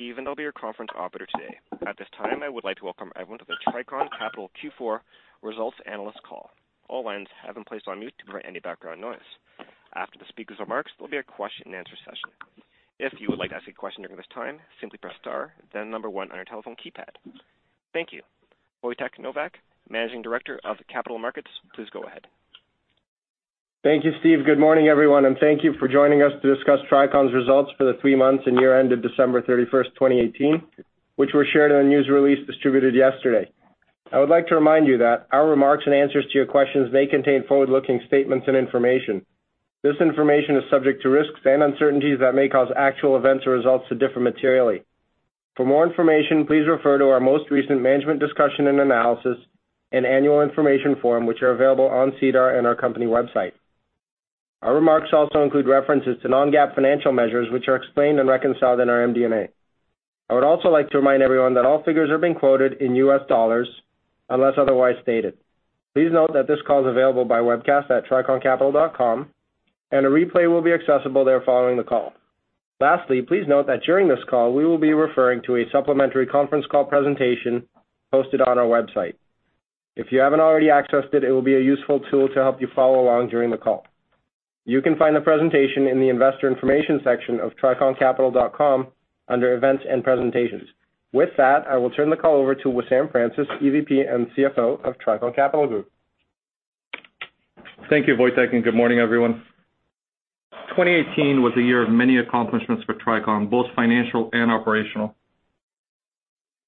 I will be your conference operator today. At this time, I would like to welcome everyone to the Tricon Capital Q4 results analyst call. All lines have been placed on mute to prevent any background noise. After the speaker's remarks, there will be a question and answer session. If you would like to ask a question during this time, simply press star then number one on your telephone keypad. Thank you. Wojtek Nowak, Managing Director of Capital Markets, please go ahead. Thank you, Steve. Good morning, everyone, and thank you for joining us to discuss Tricon's results for the three months and year end of December 31st, 2018, which were shared in a news release distributed yesterday. I would like to remind you that our remarks and answers to your questions may contain forward-looking statements and information. This information is subject to risks and uncertainties that may cause actual events or results to differ materially. For more information, please refer to our most recent management discussion and analysis and annual information form, which are available on SEDAR and our company website. Our remarks also include references to non-GAAP financial measures, which are explained and reconciled in our MD&A. I would also like to remind everyone that all figures are being quoted in U.S. dollars unless otherwise stated. Please note that this call is available by webcast at triconcapital.com, and a replay will be accessible there following the call. Lastly, please note that during this call, we will be referring to a supplementary conference call presentation posted on our website. If you haven't already accessed it will be a useful tool to help you follow along during the call. You can find the presentation in the investor information section of triconcapital.com under events and presentations. With that, I will turn the call over to Wissam Francis, EVP and CFO of Tricon Capital Group. Thank you, Wojtek, and good morning, everyone. 2018 was a year of many accomplishments for Tricon, both financial and operational.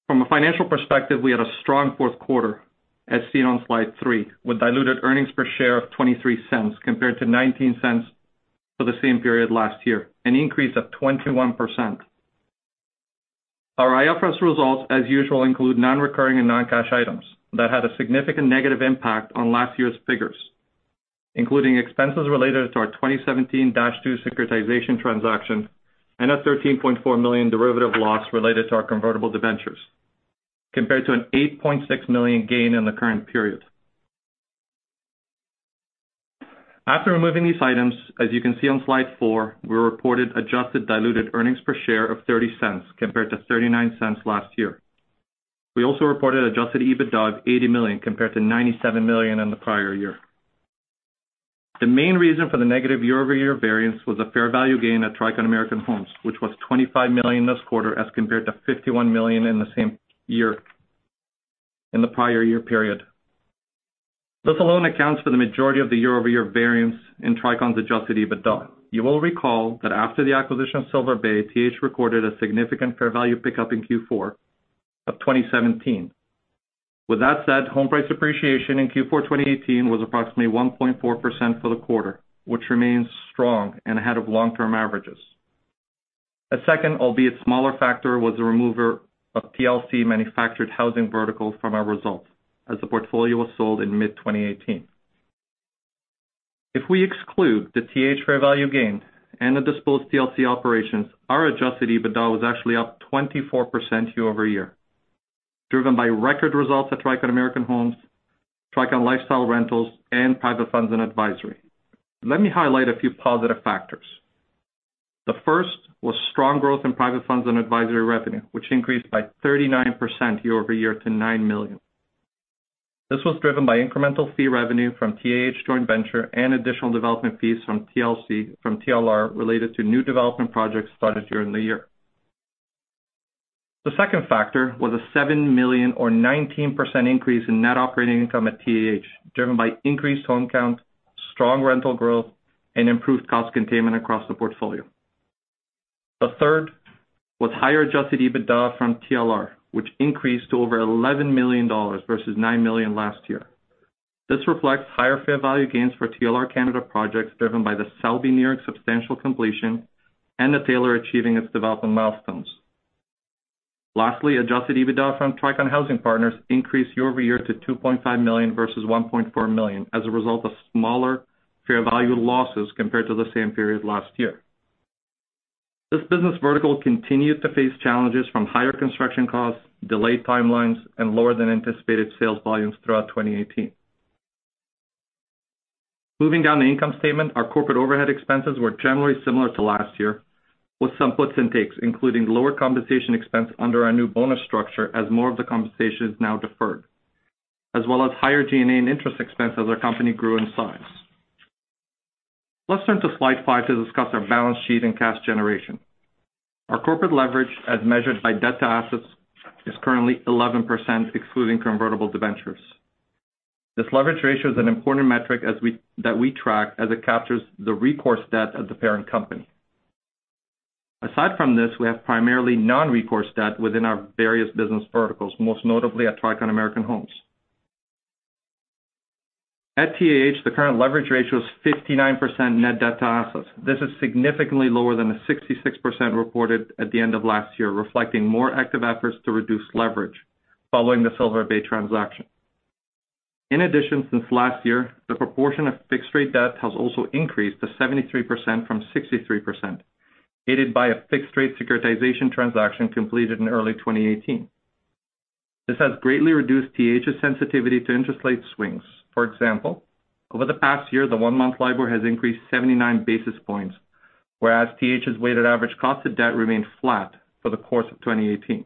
From a financial perspective, we had a strong fourth quarter, as seen on slide three, with diluted earnings per share of $0.23 compared to $0.19 for the same period last year, an increase of 21%. Our IFRS results, as usual, include non-recurring and non-cash items that had a significant negative impact on last year's figures, including expenses related to our 2017-2 securitization transaction and a $13.4 million derivative loss related to our convertible debentures, compared to an $8.6 million gain in the current period. After removing these items, as you can see on slide four, we reported adjusted diluted earnings per share of $0.30 compared to $0.39 last year. We also reported adjusted EBITDA of 80 million compared to 97 million in the prior year. The main reason for the negative year-over-year variance was a fair value gain at Tricon American Homes, which was 25 million this quarter as compared to 51 million in the prior year period. This alone accounts for the majority of the year-over-year variance in Tricon's adjusted EBITDA. You will recall that after the acquisition of Silver Bay, TH recorded a significant fair value pickup in Q4 2017. With that said, home price appreciation in Q4 2018 was approximately 1.4% for the quarter, which remains strong and ahead of long-term averages. A second, albeit smaller factor, was the removal of TLC manufactured housing vertical from our results as the portfolio was sold in mid-2018. If we exclude the TH fair value gain and the disposed TLC operations, our adjusted EBITDA was actually up 24% year-over-year, driven by record results at Tricon American Homes, Tricon Lifestyle Rentals, and private funds and advisory. Let me highlight a few positive factors. The first was strong growth in private funds and advisory revenue, which increased by 39% year-over-year to 9 million. This was driven by incremental fee revenue from TAH joint venture and additional development fees from TLR related to new development projects started during the year. The second factor was a 7 million or 19% increase in net operating income at TAH, driven by increased home count, strong rental growth, and improved cost containment across the portfolio. The third was higher adjusted EBITDA from TLR, which increased to over 11 million dollars versus 9 million last year. This reflects higher fair value gains for TLR Canada projects driven by The Selby near substantial completion and The Taylor achieving its development milestones. Lastly, adjusted EBITDA from Tricon Housing Partners increased year-over-year to 2.5 million versus 1.4 million as a result of smaller fair value losses compared to the same period last year. This business vertical continued to face challenges from higher construction costs, delayed timelines, and lower than anticipated sales volumes throughout 2018. Moving down the income statement, our corporate overhead expenses were generally similar to last year with some puts and takes, including lower compensation expense under our new bonus structure as more of the compensation is now deferred, as well as higher G&A and interest expense as our company grew in size. Let's turn to slide five to discuss our balance sheet and cash generation. Our corporate leverage, as measured by debt to assets, is currently 11% excluding convertible debentures. This leverage ratio is an important metric that we track as it captures the recourse debt of the parent company. Aside from this, we have primarily non-recourse debt within our various business verticals, most notably at Tricon American Homes. At TAH, the current leverage ratio is 59% net debt to assets. This is significantly lower than the 66% reported at the end of last year, reflecting more active efforts to reduce leverage following the Silver Bay transaction. In addition, since last year, the proportion of fixed-rate debt has also increased to 73% from 63%, aided by a fixed-rate securitization transaction completed in early 2018. This has greatly reduced TH's sensitivity to interest rate swings. For example, over the past year, the one-month LIBOR has increased 79 basis points, whereas TH's weighted average cost of debt remained flat for the course of 2018.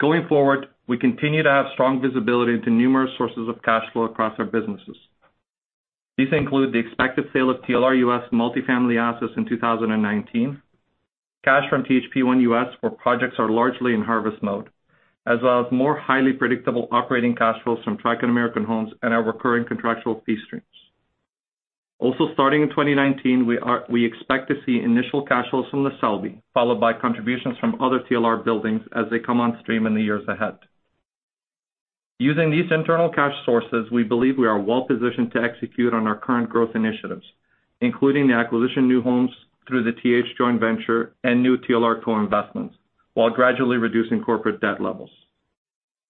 Going forward, we continue to have strong visibility into numerous sources of cash flow across our businesses. These include the expected sale of TLR U.S. multifamily assets in 2019, cash from THP1 U.S., where projects are largely in harvest mode, as well as more highly predictable operating cash flows from Tricon American Homes and our recurring contractual fee streams. Also starting in 2019, we expect to see initial cash flows from The Selby, followed by contributions from other TLR buildings as they come on stream in the years ahead. Using these internal cash sources, we believe we are well positioned to execute on our current growth initiatives, including the acquisition of new homes through the TH joint venture and new TLR co-investments while gradually reducing corporate debt levels.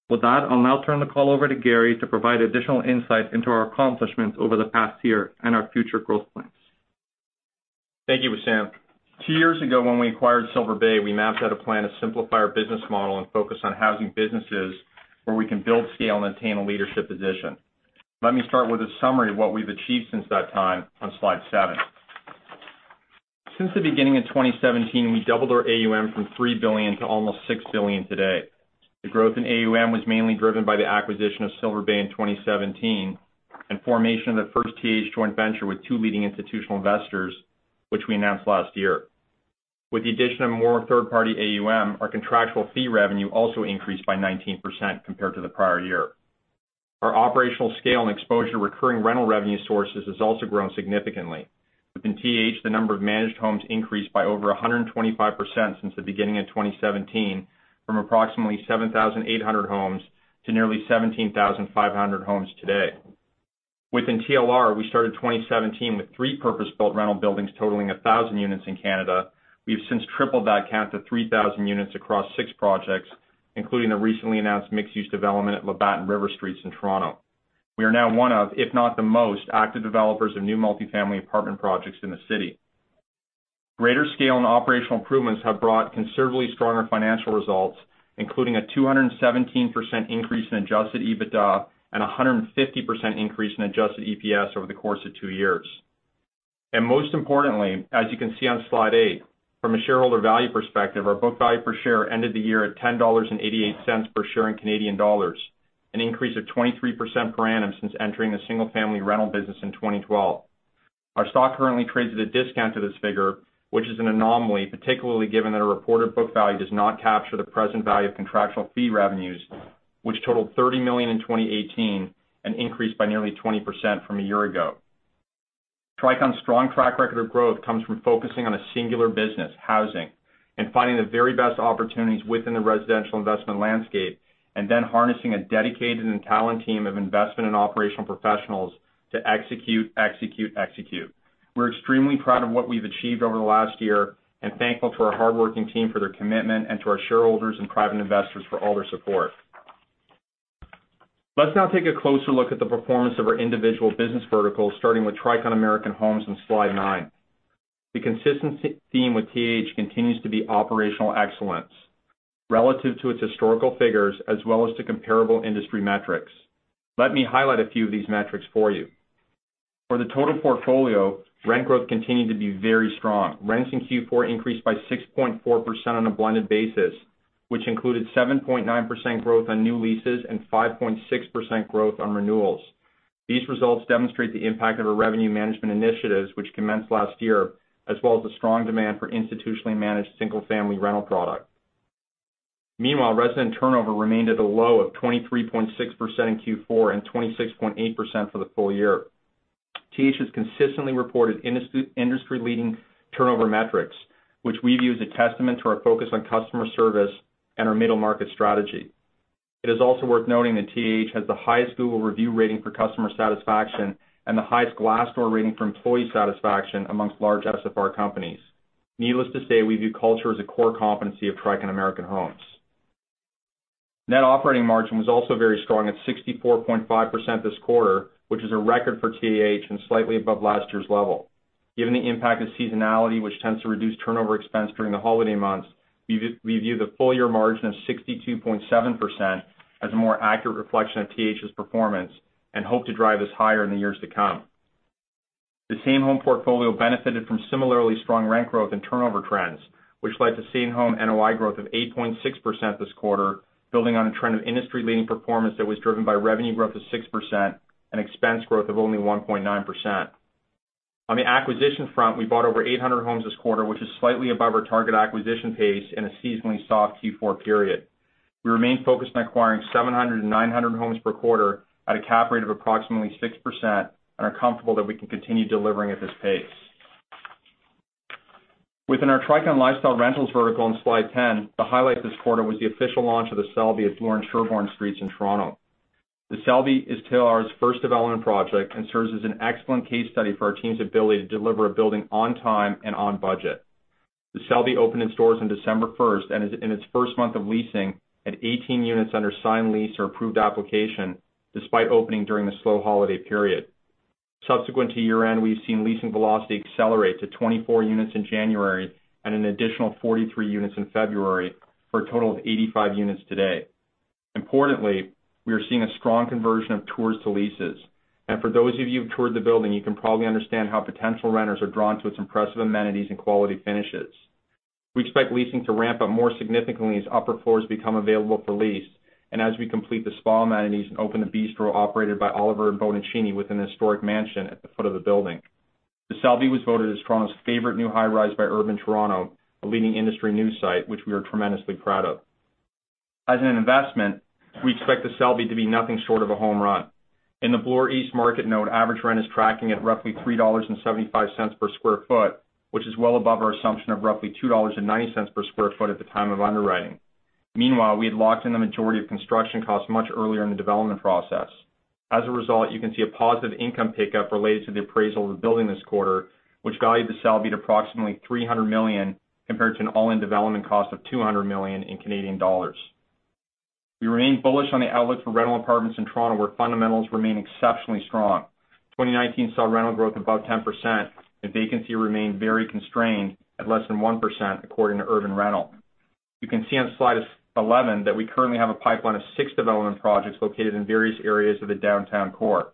With that, I'll now turn the call over to Gary to provide additional insight into our accomplishments over the past year and our future growth plans. Thank you, Wissam. Two years ago, when we acquired Silver Bay, we mapped out a plan to simplify our business model and focus on housing businesses where we can build, scale, and attain a leadership position. Let me start with a summary of what we've achieved since that time on slide seven. Since the beginning of 2017, we doubled our AUM from 3 billion to almost 6 billion today. The growth in AUM was mainly driven by the acquisition of Silver Bay in 2017 and formation of the first TH joint venture with two leading institutional investors, which we announced last year. With the addition of more third-party AUM, our contractual fee revenue also increased by 19% compared to the prior year. Our operational scale and exposure to recurring rental revenue sources has also grown significantly. Within TH, the number of managed homes increased by over 125% since the beginning of 2017, from approximately 7,800 homes to nearly 17,500 homes today. Within TLR, we started 2017 with three purpose-built rental buildings totaling 1,000 units in Canada. We've since tripled that count to 3,000 units across six projects, including the recently announced mixed-use development at Labatt and River Streets in Toronto. We are now one of, if not the most, active developers of new multifamily apartment projects in the city. Greater scale and operational improvements have brought considerably stronger financial results, including a 217% increase in adjusted EBITDA and 150% increase in adjusted EPS over the course of two years. Most importantly, as you can see on slide eight, from a shareholder value perspective, our book value per share ended the year at 10.88 dollars per share in Canadian dollars, an increase of 23% per annum since entering the single-family rental business in 2012. Our stock currently trades at a discount to this figure, which is an anomaly, particularly given that our reported book value does not capture the present value of contractual fee revenues, which totaled 30 million in 2018, an increase by nearly 20% from a year ago. Tricon's strong track record of growth comes from focusing on a singular business, housing, and finding the very best opportunities within the residential investment landscape, and then harnessing a dedicated and talented team of investment and operational professionals to execute, execute. We're extremely proud of what we've achieved over the last year and thankful for our hardworking team for their commitment, and to our shareholders and private investors for all their support. Let's now take a closer look at the performance of our individual business verticals, starting with Tricon American Homes on slide nine. The consistency theme with TH continues to be operational excellence relative to its historical figures as well as to comparable industry metrics. Let me highlight a few of these metrics for you. For the total portfolio, rent growth continued to be very strong. Rents in Q4 increased by 6.4% on a blended basis, which included 7.9% growth on new leases and 5.6% growth on renewals. These results demonstrate the impact of our revenue management initiatives, which commenced last year, as well as the strong demand for institutionally managed single-family rental product. Meanwhile, resident turnover remained at a low of 23.6% in Q4 and 26.8% for the full year. TH has consistently reported industry-leading turnover metrics, which we view as a testament to our focus on customer service and our middle-market strategy. It is also worth noting that TH has the highest Google review rating for customer satisfaction and the highest Glassdoor rating for employee satisfaction amongst large SFR companies. Needless to say, we view culture as a core competency of Tricon American Homes. Net operating margin was also very strong at 64.5% this quarter, which is a record for TH and slightly above last year's level. Given the impact of seasonality, which tends to reduce turnover expense during the holiday months, we view the full-year margin of 62.7% as a more accurate reflection of TH's performance and hope to drive this higher in the years to come. The same home portfolio benefited from similarly strong rent growth and turnover trends, which led to same home NOI growth of 8.6% this quarter, building on a trend of industry-leading performance that was driven by revenue growth of 6% and expense growth of only 1.9%. On the acquisition front, we bought over 800 homes this quarter, which is slightly above our target acquisition pace in a seasonally soft Q4 period. We remain focused on acquiring 700 to 900 homes per quarter at a cap rate of approximately 6% and are comfortable that we can continue delivering at this pace. Within our Tricon Lifestyle Rentals vertical on slide 10, the highlight this quarter was the official launch of The Selby at Bloor and Sherbourne Streets in Toronto. The Selby is TLR's first development project and serves as an excellent case study for our team's ability to deliver a building on time and on budget. The Selby opened its doors on December 1, and is in its first month of leasing at 18 units under signed lease or approved application, despite opening during the slow holiday period. Subsequent to year-end, we've seen leasing velocity accelerate to 24 units in January and an additional 43 units in February, for a total of 85 units today. Importantly, we are seeing a strong conversion of tours to leases. For those of you who've toured the building, you can probably understand how potential renters are drawn to its impressive amenities and quality finishes. We expect leasing to ramp up more significantly as upper floors become available for lease, as we complete the spa amenities and open the bistro operated by Oliver and Bonacini within the historic mansion at the foot of the building. The Selby was voted as Toronto's favorite new high-rise by UrbanToronto, a leading industry news site, which we are tremendously proud of. As an investment, we expect The Selby to be nothing short of a home run. In the Bloor East market note, average rent is tracking at roughly 3.75 dollars per sq ft, which is well above our assumption of roughly 2.90 dollars per sq ft at the time of underwriting. Meanwhile, we had locked in the majority of construction costs much earlier in the development process. As a result, you can see a positive income pickup related to the appraisal of the building this quarter, which valued The Selby at approximately 300 million, compared to an all-in development cost of 200 million. We remain bullish on the outlook for rental apartments in Toronto, where fundamentals remain exceptionally strong. 2019 saw rental growth above 10%, and vacancy remained very constrained at less than 1%, according to Urbanation. You can see on slide 11 that we currently have a pipeline of six development projects located in various areas of the downtown core.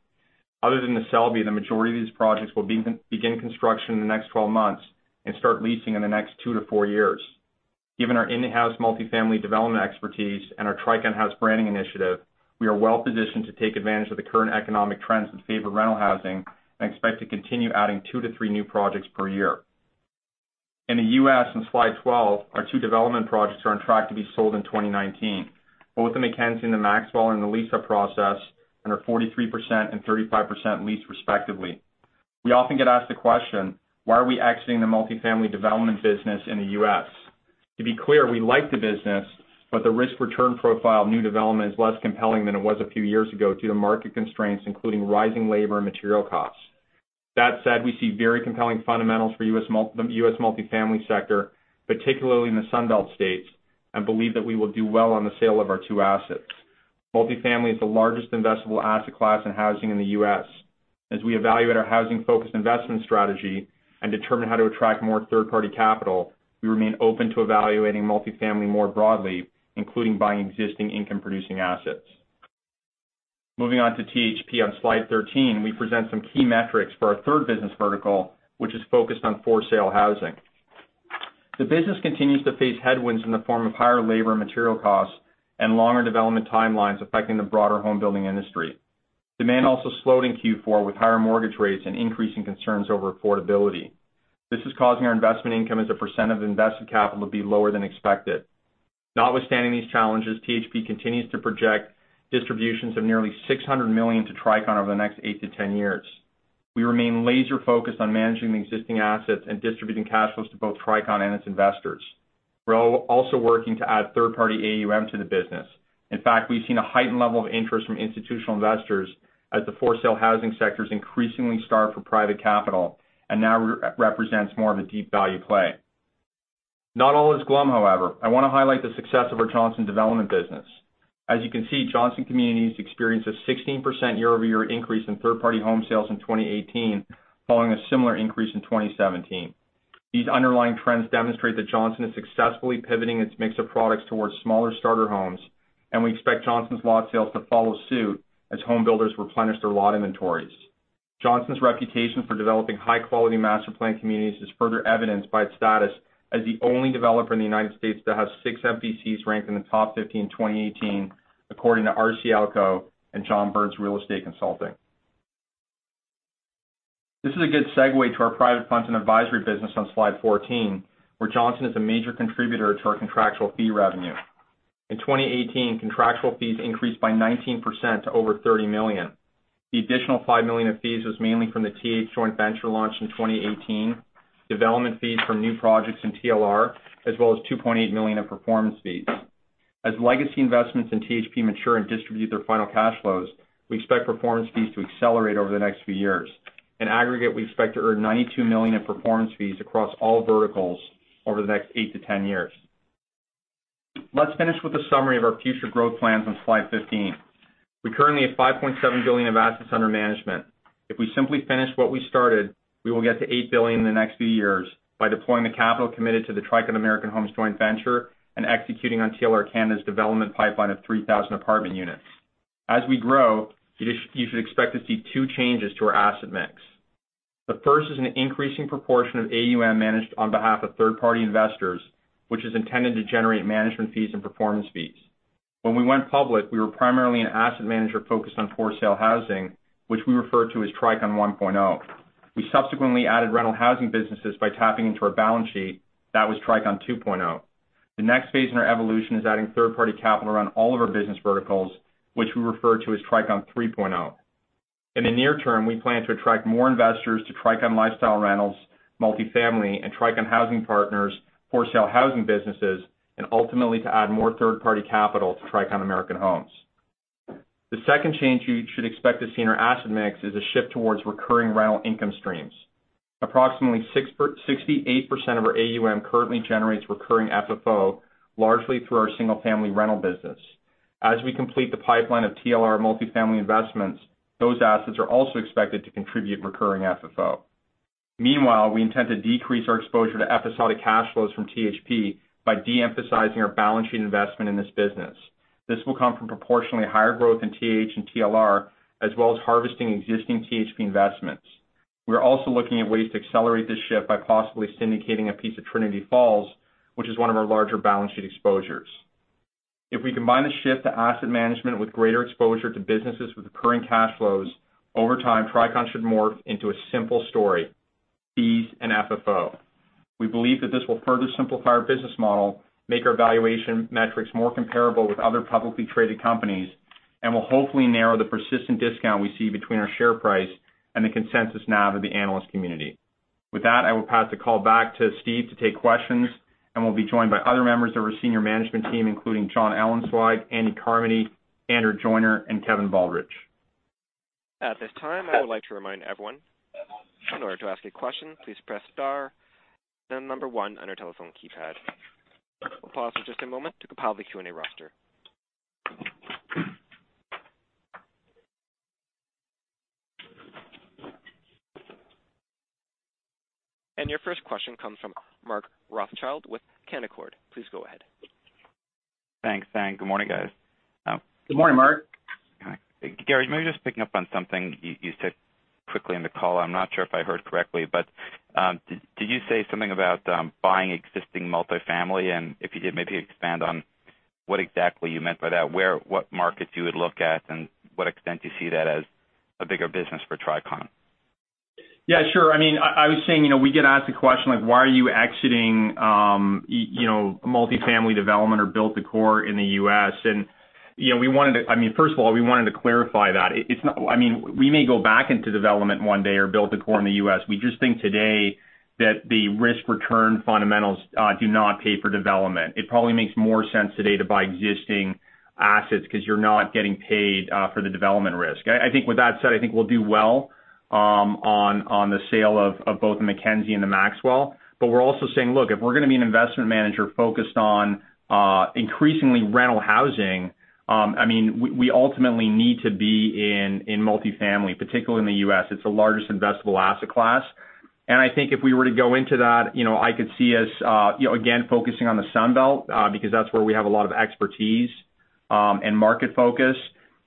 Other than The Selby, the majority of these projects will begin construction in the next 12 months and start leasing in the next two to four years. Given our in-house multifamily development expertise and our Tricon House branding initiative, we are well positioned to take advantage of the current economic trends that favor rental housing and expect to continue adding two to three new projects per year. In the U.S., on slide 12, our two development projects are on track to be sold in 2019. Both The McKenzie and The Maxwell are in the lease-up process and are 43% and 35% leased respectively. We often get asked the question, why are we exiting the multifamily development business in the U.S.? To be clear, we like the business, but the risk-return profile of new development is less compelling than it was a few years ago due to market constraints, including rising labor and material costs. That said, we see very compelling fundamentals for U.S. multi-family sector, particularly in the Sun Belt states, and believe that we will do well on the sale of our two assets. Multifamily is the largest investable asset class in housing in the U.S. As we evaluate our housing-focused investment strategy and determine how to attract more third-party capital, we remain open to evaluating multifamily more broadly, including buying existing income-producing assets. Moving on to THP on slide 13, we present some key metrics for our third business vertical, which is focused on for sale housing. The business continues to face headwinds in the form of higher labor and material costs and longer development timelines affecting the broader home building industry. Demand also slowed in Q4 with higher mortgage rates and increasing concerns over affordability. This is causing our investment income as a % of invested capital to be lower than expected. Notwithstanding these challenges, THP continues to project distributions of nearly $600 million to Tricon over the next eight to 10 years. We are also working to add third-party AUM to the business. In fact, we have seen a heightened level of interest from institutional investors as the for sale housing sector is increasingly starved for private capital and now represents more of a deep value play. Not all is glum, however. I want to highlight the success of our Johnson Development business. As you can see, Johnson Communities experienced a 16% year-over-year increase in third-party home sales in 2018, following a similar increase in 2017. These underlying trends demonstrate that Johnson is successfully pivoting its mix of products towards smaller starter homes, and we expect Johnson's lot sales to follow suit as home builders replenish their lot inventories. Johnson's reputation for developing high-quality master planned communities is further evidenced by its status as the only developer in the U.S. that has 6 MPCs ranked in the top 15 in 2018, according to RCLCO and John Burns Real Estate Consulting. This is a good segue to our private funds and advisory business on slide 14, where Johnson is a major contributor to our contractual fee revenue. In 2018, contractual fees increased by 19% to over $30 million. The additional $5 million of fees was mainly from the THP joint venture launch in 2018, development fees from new projects in TLR, as well as $2.8 million in performance fees. As legacy investments in THP mature and distribute their final cash flows, we expect performance fees to accelerate over the next few years. In aggregate, we expect to earn $92 million in performance fees across all verticals over the next eight to 10 years. Let's finish with a summary of our future growth plans on slide 15. We currently have $5.7 billion of assets under management. If we simply finish what we started, we will get to $8 billion in the next few years by deploying the capital committed to the Tricon American Homes joint venture and executing on TLR Canada's development pipeline of 3,000 apartment units. As we grow, you should expect to see two changes to our asset mix. The first is an increasing proportion of AUM managed on behalf of third-party investors, which is intended to generate management fees and performance fees. When we went public, we were primarily an asset manager focused on for sale housing, which we refer to as Tricon 1.0. We subsequently added rental housing businesses by tapping into our balance sheet. That was Tricon 2.0. The next phase in our evolution is adding third-party capital around all of our business verticals, which we refer to as Tricon 3.0. In the near term, we plan to attract more investors to Tricon Lifestyle Rentals, Multifamily, and Tricon Housing Partners for sale housing businesses, and ultimately to add more third-party capital to Tricon American Homes. The second change you should expect to see in our asset mix is a shift towards recurring rental income streams. Approximately 68% of our AUM currently generates recurring FFO, largely through our single-family rental business. As we complete the pipeline of TLR multifamily investments, those assets are also expected to contribute recurring FFO. Meanwhile, we intend to decrease our exposure to episodic cash flows from THP by de-emphasizing our balance sheet investment in this business. This will come from proportionally higher growth in TH and TLR, as well as harvesting existing THP investments. We are also looking at ways to accelerate this shift by possibly syndicating a piece of Trinity Falls, which is one of our larger balance sheet exposures. If we combine the shift to asset management with greater exposure to businesses with recurring cash flows, over time, Tricon should morph into a simple story, fees and FFO. We believe that this will further simplify our business model, make our valuation metrics more comparable with other publicly traded companies, and will hopefully narrow the persistent discount we see between our share price and the consensus NAV of the analyst community. With that, I will pass the call back to Steve to take questions, and we will be joined by other members of our senior management team, including Jonathan Ellenzweig, Andy Carmody, Andrew Joyner, and Kevin Baldridge. At this time, I would like to remind everyone, in order to ask a question, please press star, then 1 on your telephone keypad. We will pause for just a moment to compile the Q&A roster. Your first question comes from Mark Rothschild with Canaccord. Please go ahead. Thanks. Good morning, guys. Good morning, Mark. Gary, maybe just picking up on something you said quickly in the call. I am not sure if I heard correctly, but did you say something about buying existing multifamily? If you did, maybe expand on what exactly you meant by that, what markets you would look at, and what extent you see that as a bigger business for Tricon. Yeah, sure. I was saying, we get asked the question, like, why are you exiting multifamily development or build-to-core in the U.S.? First of all, we wanted to clarify that. We may go back into development one day or build-to-core in the U.S. We just think today that the risk-return fundamentals do not pay for development. It probably makes more sense today to buy existing assets because you are not getting paid for the development risk. I think with that said, I think we will do well on the sale of both McKenzie and Maxwell. We are also saying, look, if we are going to be an investment manager focused on increasingly rental housing, we ultimately need to be in multifamily, particularly in the U.S. It is the largest investable asset class. I think if we were to go into that, I could see us again focusing on the Sun Belt because that's where we have a lot of expertise and market focus.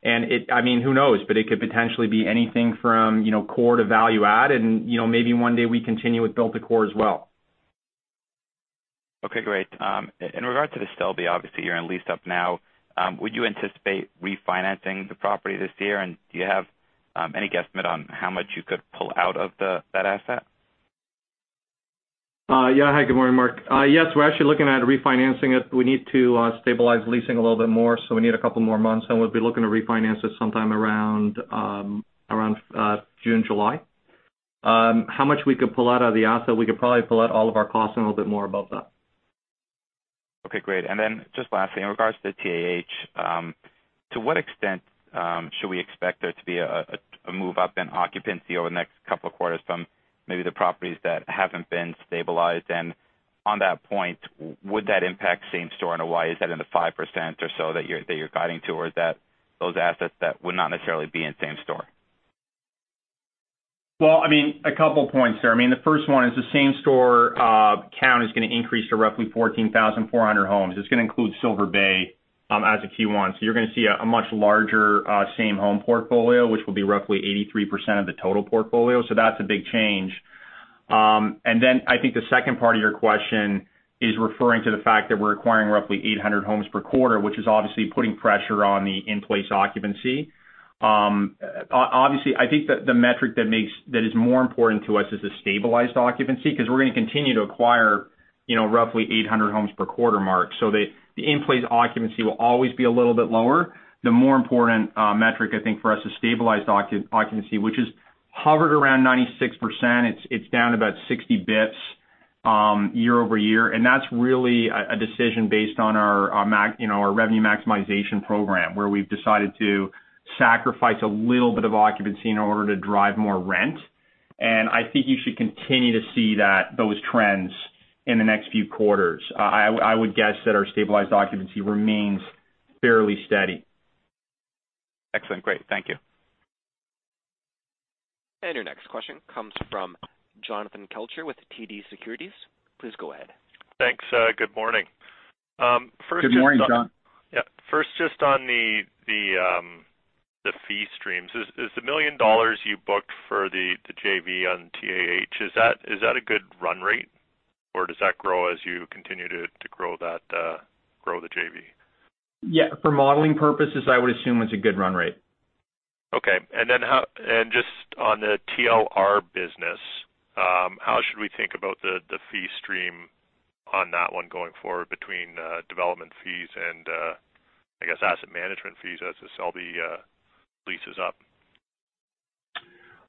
Who knows? It could potentially be anything from core to value add, and maybe one day we continue with build-to-core as well. Okay, great. In regard to The Selby, obviously you're in lease-up now. Would you anticipate refinancing the property this year? Do you have any guesstimate on how much you could pull out of that asset? Hi, good morning, Mark. Yes, we're actually looking at refinancing it. We need to stabilize leasing a little bit more, so we need a couple more months, and we'll be looking to refinance it sometime around June, July. How much we could pull out of the asset? We could probably pull out all of our costs and a little bit more above that. Okay, great. Just lastly, in regards to TAH, to what extent should we expect there to be a move-up in occupancy over the next couple of quarters from maybe the properties that haven't been stabilized? On that point, would that impact same store? Why is that in the 5% or so that you're guiding to? Or is that those assets that would not necessarily be in same store? Well, a couple points there. The first one is the same store count is going to increase to roughly 14,400 homes. It's going to include Silver Bay as a key one. You're going to see a much larger same home portfolio, which will be roughly 83% of the total portfolio. That's a big change. Then I think the second part of your question is referring to the fact that we're acquiring roughly 800 homes per quarter, which is obviously putting pressure on the in-place occupancy. Obviously, I think that the metric that is more important to us is the stabilized occupancy, because we're going to continue to acquire roughly 800 homes per quarter, Mark. The in-place occupancy will always be a little bit lower. The more important metric, I think, for us is stabilized occupancy, which has hovered around 96%. It's down about 60 basis points year-over-year. That's really a decision based on our revenue maximization program, where we've decided to sacrifice a little bit of occupancy in order to drive more rent. I think you should continue to see those trends in the next few quarters. I would guess that our stabilized occupancy remains fairly steady. Excellent. Great. Thank you. Your next question comes from Jonathan Kelcher with TD Securities. Please go ahead. Thanks. Good morning. Good morning, John. First, just on the fee streams. Is the $1 million you booked for the JV on TAH, is that a good run rate? Or does that grow as you continue to grow the JV? For modeling purposes, I would assume it's a good run rate. Okay. Just on the TLR business, how should we think about the fee stream on that one going forward between development fees and, I guess, asset management fees as The Selby leases up?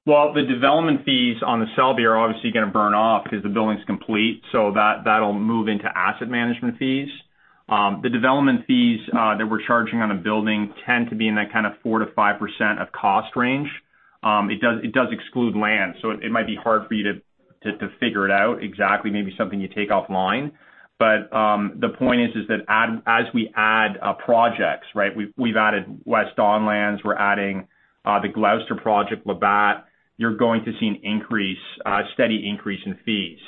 Well, the development fees on The Selby are obviously going to burn off because the building's complete. That'll move into asset management fees. The development fees that we're charging on a building tend to be in that kind of 4%-5% of cost range. It does exclude land, so it might be hard for you to figure it out exactly. Maybe something you take offline. The point is that as we add projects, we've added West Don Lands, we're adding the Gloucester project, Labatt, you're going to see a steady increase in fees.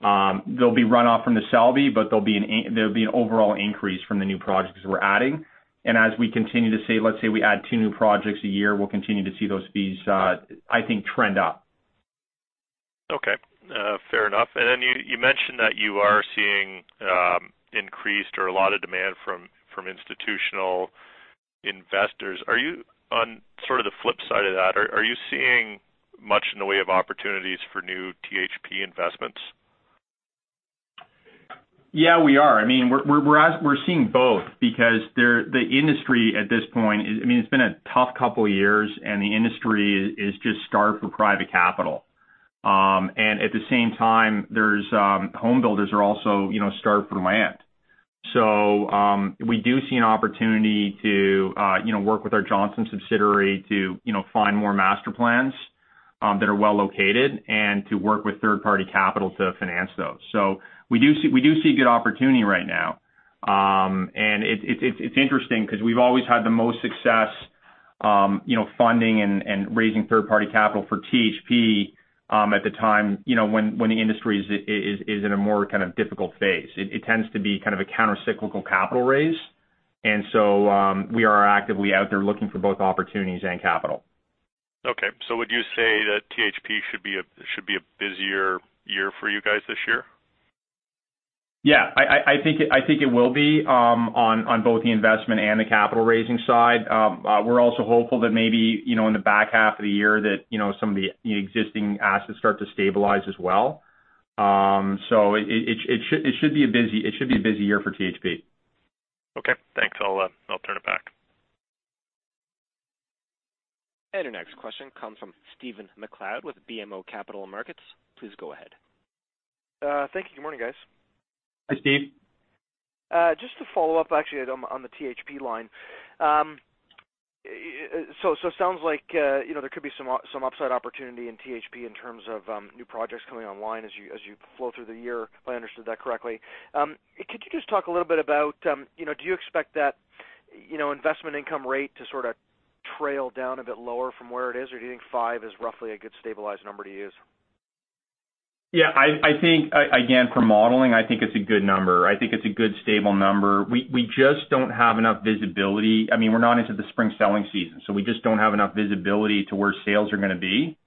There'll be runoff from The Selby, but there'll be an overall increase from the new projects we're adding. As we continue to, let's say, add two new projects a year, we'll continue to see those fees, I think, trend up. Okay. Fair enough. You mentioned that you are seeing increased or a lot of demand from institutional investors. On sort of the flip side of that, are you seeing much in the way of opportunities for new THP investments? Yeah, we are. We're seeing both because the industry at this point, it's been a tough couple of years and the industry is just starved for private capital. At the same time, home builders are also starved for land. We do see an opportunity to work with our Johnson subsidiary to find more master plans that are well-located and to work with third-party capital to finance those. We do see good opportunity right now. It's interesting because we've always had the most success funding and raising third-party capital for THP at the time when the industry is in a more kind of difficult phase. It tends to be kind of a counter-cyclical capital raise. We are actively out there looking for both opportunities and capital. Okay. Would you say that THP should be a busier year for you guys this year? Yeah, I think it will be on both the investment and the capital raising side. We're also hopeful that maybe, in the back half of the year that some of the existing assets start to stabilize as well. It should be a busy year for THP. Okay, thanks. I'll turn it back. Our next question comes from Stephen MacLeod with BMO Capital Markets. Please go ahead. Thank you. Good morning, guys. Hi, Steve. Just to follow up, actually, on the THP line. Sounds like there could be some upside opportunity in THP in terms of new projects coming online as you flow through the year, if I understood that correctly. Could you just talk a little bit about, do you expect that investment income rate to sort of trail down a bit lower from where it is? Or do you think five is roughly a good stabilized number to use? Yeah, I think, again, for modeling, I think it's a good number. I think it's a good stable number. We just don't have enough visibility. We're not into the spring selling season, so we just don't have enough visibility to where sales are going to be.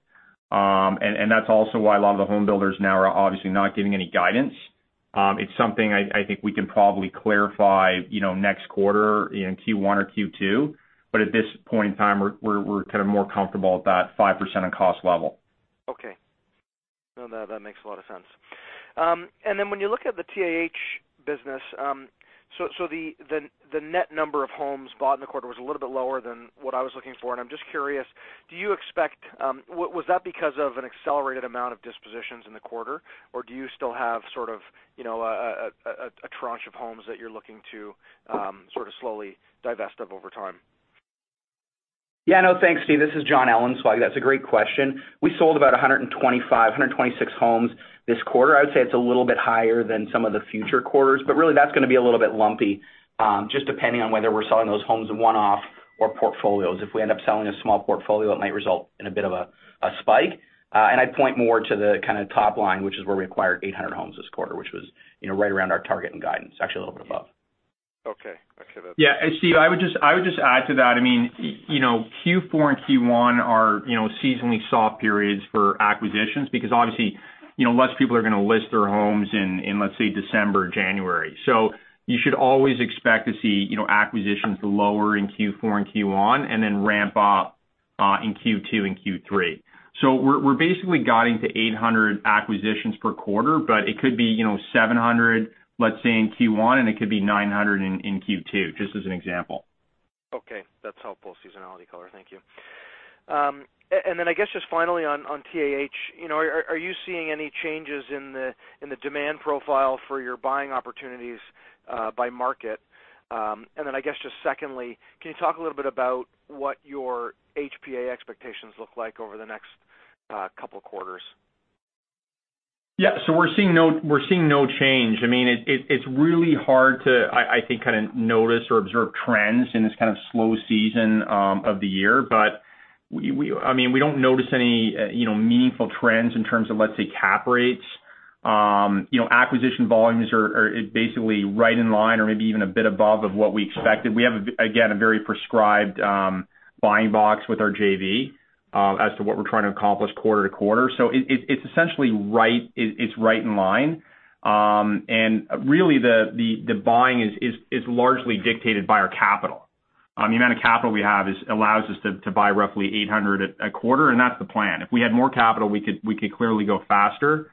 That's also why a lot of the home builders now are obviously not giving any guidance. It's something I think we can probably clarify next quarter in Q1 or Q2. At this point in time, we're kind of more comfortable at that 5% of cost level. Okay. No, that makes a lot of sense. When you look at the TAH business, the net number of homes bought in the quarter was a little bit lower than what I was looking for, and I'm just curious. Was that because of an accelerated amount of dispositions in the quarter, or do you still have sort of a tranche of homes that you're looking to sort of slowly divest of over time? Yeah, no, thanks, Steve. This is Jonathan Ellenzweig. That's a great question. We sold about 125, 126 homes this quarter. I would say it's a little bit higher than some of the future quarters, really that's going to be a little bit lumpy, just depending on whether we're selling those homes one-off or portfolios. If we end up selling a small portfolio, it might result in a bit of a spike. I'd point more to the kind of top line, which is where we acquired 800 homes this quarter, which was right around our target and guidance, actually a little bit above. Okay. Okay. Yeah, Steve, I would just add to that. Q4 and Q1 are seasonally soft periods for acquisitions because obviously, less people are going to list their homes in, let's say, December or January. You should always expect to see acquisitions lower in Q4 and Q1, then ramp up in Q2 and Q3. We're basically guiding to 800 acquisitions per quarter, it could be 700, let's say, in Q1, and it could be 900 in Q2, just as an example. Okay. That's helpful seasonality color. Thank you. Finally on TAH, are you seeing any changes in the demand profile for your buying opportunities by market? Secondly, can you talk a little bit about what your HPA expectations look like over the next couple of quarters? We're seeing no change. It's really hard to, I think, kind of notice or observe trends in this kind of slow season of the year. We don't notice any meaningful trends in terms of, let's say, cap rates. Acquisition volumes are basically right in line or maybe even a bit above of what we expected. We have, again, a very prescribed buying box with our JV as to what we're trying to accomplish quarter-to-quarter. It's essentially right in line. Really the buying is largely dictated by our capital. The amount of capital we have allows us to buy roughly 800 a quarter, and that's the plan. If we had more capital, we could clearly go faster.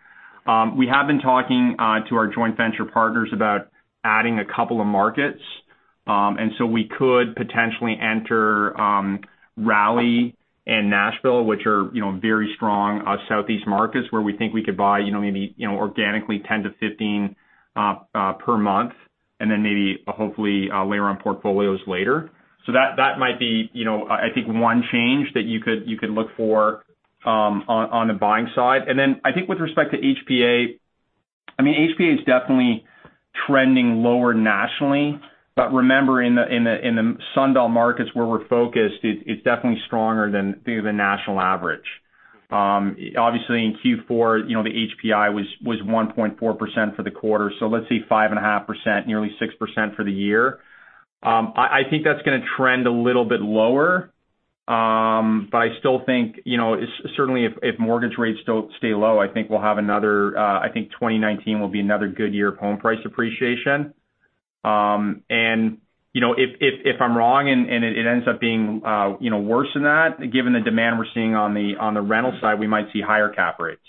We have been talking to our joint venture partners about adding a couple of markets. We could potentially enter Raleigh and Nashville, which are very strong Sun Belt markets where we think we could buy maybe organically 10-15 per month, then maybe hopefully layer on portfolios later. That might be I think one change that you could look for on the buying side. I think with respect to HPA is definitely trending lower nationally. Remember in the Sun Belt markets where we're focused, it's definitely stronger than the national average. Obviously, in Q4, the HPI was 1.4% for the quarter. Let's say 5.5%, nearly 6% for the year. I think that's going to trend a little bit lower. I still think, certainly if mortgage rates stay low, I think 2019 will be another good year of home price appreciation. If I'm wrong and it ends up being worse than that, given the demand we're seeing on the rental side, we might see higher cap rates.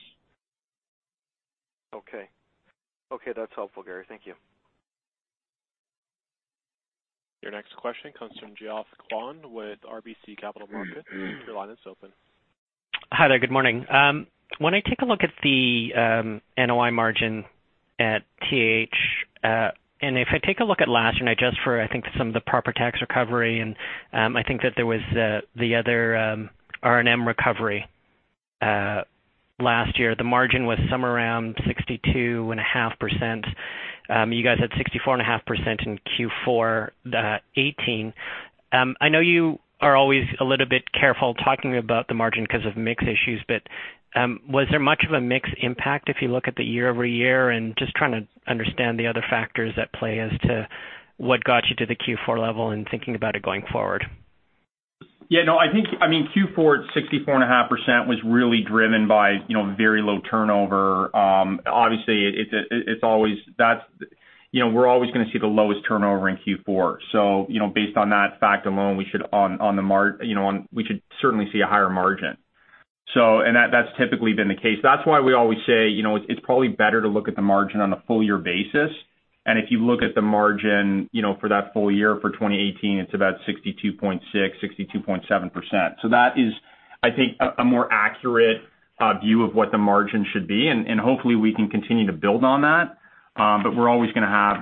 Okay. That's helpful, Gary. Thank you. Your next question comes from Geoff Kwan with RBC Capital Markets. Your line is open. Hi there, good morning. When I take a look at the NOI margin at TH, if I take a look at last year, not just for, I think some of the proper tax recovery, and I think that there was the other R&M recovery last year. The margin was somewhere around 62.5%. You guys had 64.5% in Q4 2018. I know you are always a little bit careful talking about the margin because of mix issues, but was there much of a mix impact if you look at the year-over-year? Just trying to understand the other factors at play as to what got you to the Q4 level, and thinking about it going forward. Yeah. I think Q4 at 64.5% was really driven by very low turnover. Obviously, we're always going to see the lowest turnover in Q4. Based on that fact alone, we should certainly see a higher margin. That's typically been the case. That's why we always say, it's probably better to look at the margin on a full year basis. If you look at the margin for that full year for 2018, it's about 62.6%, 62.7%. That is, I think, a more accurate view of what the margin should be, and hopefully we can continue to build on that.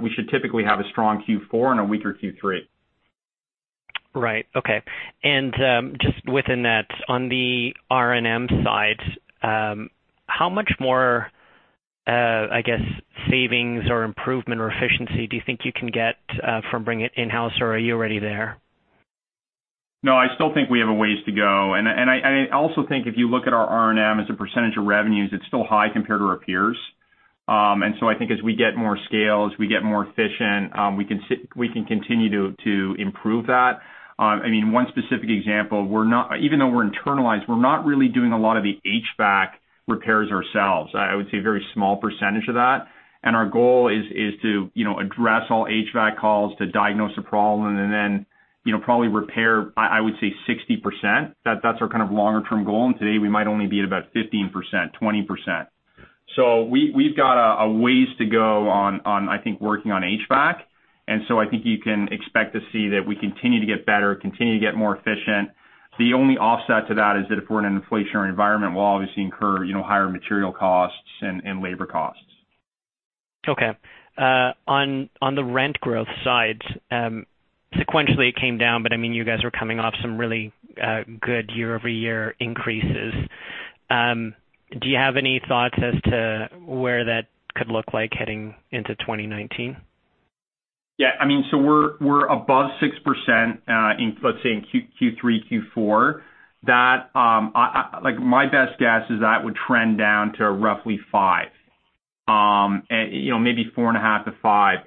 We should typically have a strong Q4 and a weaker Q3. Okay. Just within that, on the R&M side, how much more, I guess savings or improvement or efficiency do you think you can get from bringing it in-house, or are you already there? No, I still think we have a ways to go. I also think if you look at our R&M as a % of revenues, it's still high compared to our peers. I think as we get more scale, as we get more efficient, we can continue to improve that. One specific example, even though we're internalized, we're not really doing a lot of the HVAC repairs ourselves. I would say a very small % of that. Our goal is to address all HVAC calls, to diagnose a problem, and then probably repair, I would say 60%. That's our kind of longer-term goal. Today we might only be at about 15%-20%. We've got a ways to go on, I think working on HVAC, I think you can expect to see that we continue to get better, continue to get more efficient. The only offset to that is that if we're in an inflationary environment, we'll obviously incur higher material costs and labor costs. Okay. On the rent growth side, sequentially it came down, you guys are coming off some really good year-over-year increases. Do you have any thoughts as to where that could look like heading into 2019? Yeah. We're above 6% in, let's say in Q3, Q4. My best guess is that would trend down to roughly 5%. Maybe 4.5%-5%.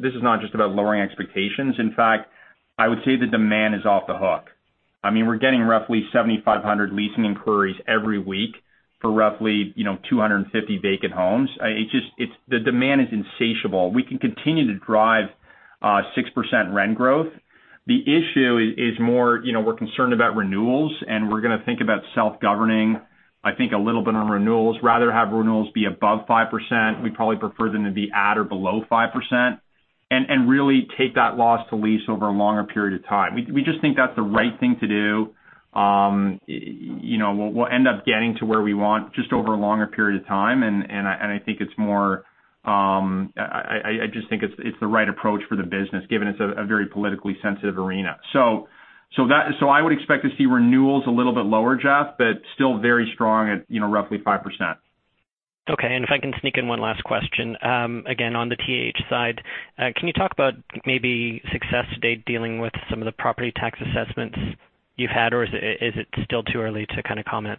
This is not just about lowering expectations. In fact, I would say the demand is off the hook. We're getting roughly 7,500 leasing inquiries every week for roughly 250 vacant homes. The demand is insatiable. We can continue to drive 6% rent growth. The issue is more, we're concerned about renewals, and we're going to think about self-governing, I think a little bit on renewals. Rather have renewals be above 5%, we probably prefer them to be at or below 5%. Really take that loss to lease over a longer period of time. We just think that's the right thing to do. We'll end up getting to where we want, just over a longer period of time, I just think it's the right approach for the business, given it's a very politically sensitive arena. I would expect to see renewals a little bit lower, Geoff, but still very strong at roughly 5%. Okay, if I can sneak in one last question, again, on the TH side. Can you talk about maybe success to date dealing with some of the property tax assessments you've had, or is it still too early to kind of comment?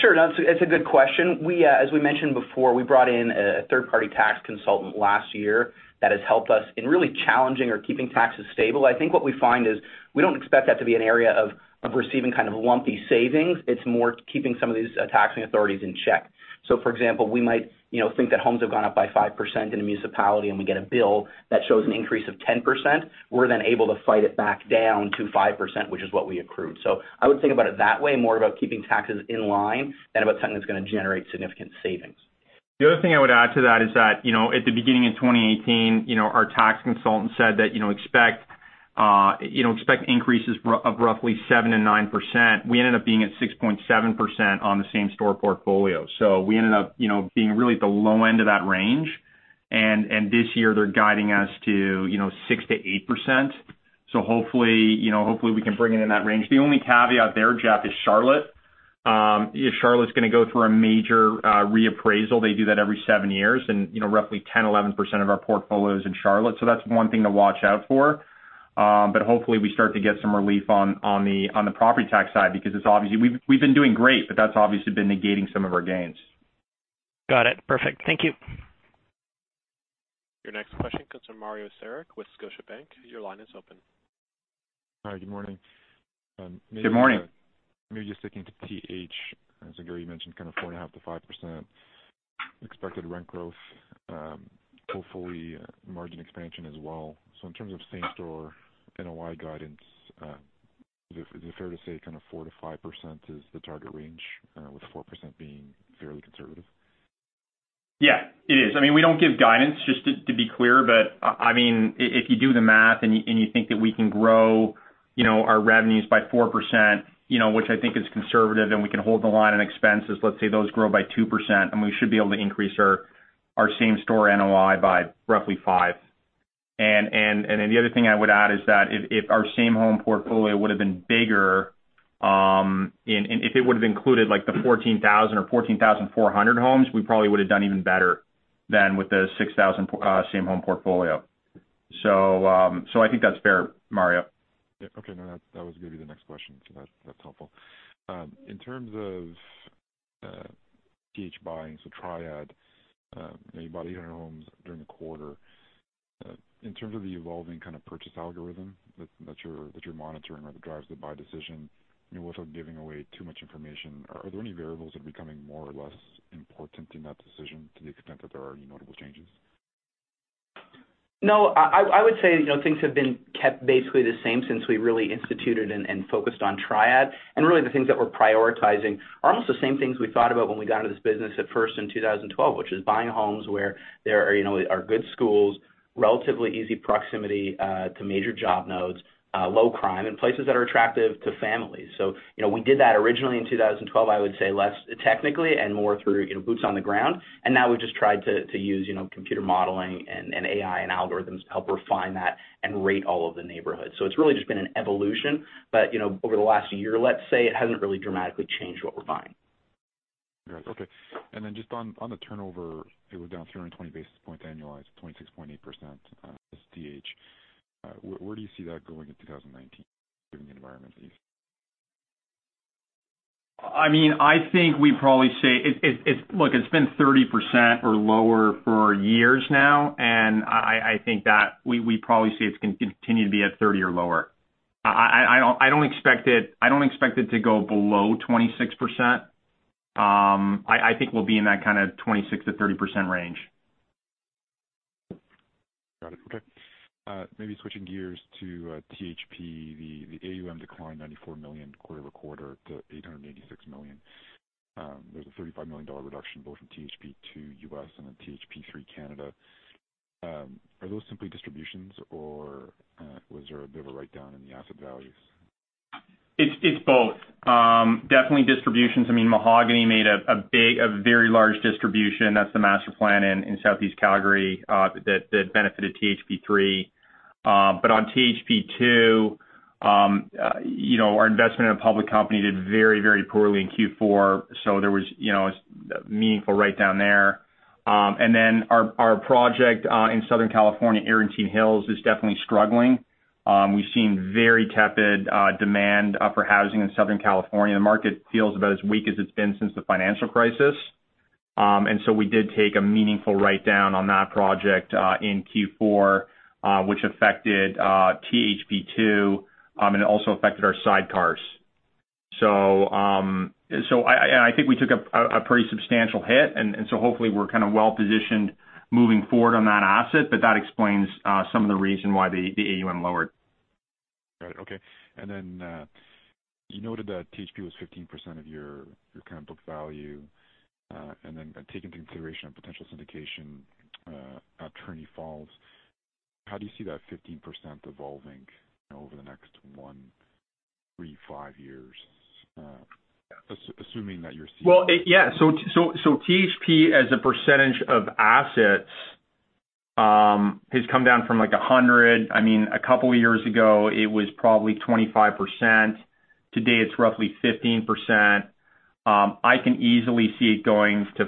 Sure, that's a good question. As we mentioned before, we brought in a third-party tax consultant last year that has helped us in really challenging or keeping taxes stable. I think what we find is we don't expect that to be an area of receiving kind of lumpy savings. It's more keeping some of these taxing authorities in check. For example, we might think that homes have gone up by 5% in a municipality, we get a bill that shows an increase of 10%. We're then able to fight it back down to 5%, which is what we accrued. I would think about it that way, more about keeping taxes in line than about something that's going to generate significant savings. The other thing I would add to that is that, at the beginning of 2018, our tax consultant said that We expect increases of roughly 7% and 9%. We ended up being at 6.7% on the same store portfolio. We ended up being really at the low end of that range. This year they're guiding us to 6%-8%. Hopefully, we can bring it in that range. The only caveat there, Geoff, is Charlotte. Charlotte's going to go through a major reappraisal. They do that every seven years, and roughly 10%, 11% of our portfolio is in Charlotte, so that's one thing to watch out for. Hopefully we start to get some relief on the property tax side, because we've been doing great, but that's obviously been negating some of our gains. Got it. Perfect. Thank you. Your next question comes from Mario Saric with Scotiabank. Your line is open. Hi, good morning. Good morning. Maybe just sticking to TH. As Gary mentioned, kind of 4.5%-5% expected rent growth. Hopefully margin expansion as well. In terms of same-store NOI guidance, is it fair to say kind of 4%-5% is the target range? With 4% being fairly conservative? Yeah, it is. We don't give guidance, just to be clear. If you do the math and you think that we can grow our revenues by 4%, which I think is conservative, and we can hold the line on expenses, let's say those grow by 2%, then we should be able to increase our same-store NOI by roughly 5%. The other thing I would add is that if our same home portfolio would've been bigger, and if it would've included like the 14,000 or 14,400 homes, we probably would've done even better than with the 6,000 same home portfolio. I think that's fair, Mario. Yeah. Okay. That was going to be the next question, that's helpful. In terms of TH buying, TriAD, you bought 800 homes during the quarter. In terms of the evolving kind of purchase algorithm that you're monitoring or that drives the buy decision, without giving away too much information, are there any variables that are becoming more or less important in that decision to the extent that there are any notable changes? No. I would say things have been kept basically the same since we really instituted and focused on TriAD. The things that we're prioritizing are almost the same things we thought about when we got into this business at first in 2012, which is buying homes where there are good schools, relatively easy proximity to major job nodes, low crime, and places that are attractive to families. We did that originally in 2012, I would say less technically and more through boots on the ground. Now we've just tried to use computer modeling and AI and algorithms to help refine that and rate all of the neighborhoods. It's really just been an evolution. Over the last year, let's say, it hasn't really dramatically changed what we're buying. Got it. Okay. Just on the turnover, it was down 320 basis points annualized to 6.8% as TH. Where do you see that going in 2019, given the environment that you see? Look, it's been 30% or lower for years now. I think that we probably see it's going to continue to be at 30% or lower. I don't expect it to go below 26%. I think we'll be in that kind of 26% to 30% range. Got it. Okay. Maybe switching gears to THP. The AUM declined to $94 million quarter-over-quarter to $886 million. There was a $35 million reduction both from THP2 US and THP3 Canada. Are those simply distributions or was there a bit of a write-down in the asset values? It's both. Definitely distributions. Mahogany made a very large distribution. That's the master plan in Southeast Calgary that benefited THP3. On THP2, our investment in a public company did very poorly in Q4, there was a meaningful write-down there. Our project in Southern California, Arantine Hills, is definitely struggling. We've seen very tepid demand for housing in Southern California. The market feels about as weak as it's been since the financial crisis. We did take a meaningful write-down on that project in Q4, which affected THP2, and it also affected our sidecars. I think we took a pretty substantial hit, hopefully we're kind of well-positioned moving forward on that asset. That explains some of the reason why the AUM lowered. Got it. Okay. You noted that THP was 15% of your kind of book value. Take into consideration a potential syndication at Trinity Falls. How do you see that 15% evolving over the next one, three, five years? Assuming that you're seeing THP as a percentage of assets has come down from like 100. A couple of years ago, it was probably 25%. Today, it's roughly 15%. I can easily see it going to